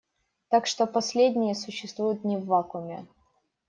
Так что последние существуют не в вакууме.